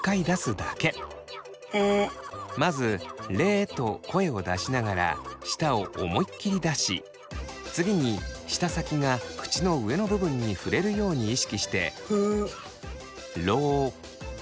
まず「レ」と声を出しながら舌を思いっきり出し次に舌先が口の上の部分に触れるように意識して「ロ」。